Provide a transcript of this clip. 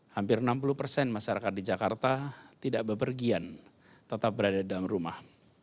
hampir enam puluh persen masyarakat di jakarta tidak bepergian tetap berada dalam rumah